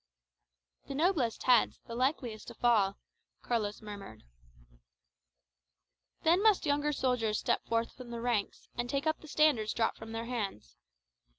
"The noblest heads, the likeliest to fall," Carlos murmured. "Then must younger soldiers step forth from the ranks, and take up the standards dropped from their hands.